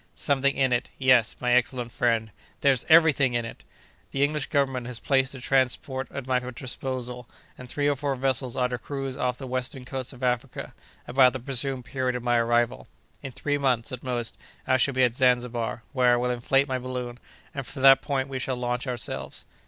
"Something in it—yes, my excellent friend—there's every thing in it. The English Government has placed a transport at my disposal, and three or four vessels are to cruise off the western coast of Africa, about the presumed period of my arrival. In three months, at most, I shall be at Zanzibar, where I will inflate my balloon, and from that point we shall launch ourselves."